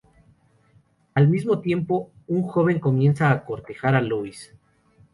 Al mismo tiempo, un joven comienza a cortejar a Louise.